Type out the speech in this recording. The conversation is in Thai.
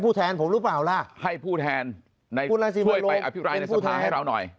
แทนผมหรือเปล่าล่ะให้ผู้แทนช่วยไปอภิปรายในสภาให้เราหน่อย